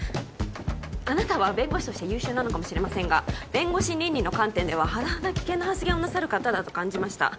あなたは弁護士として優秀なのかもしれませんが弁護士倫理の観点では甚だ危険な発言をなさる方だと感じました